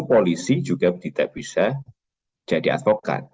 polisi juga tidak bisa jadi advokat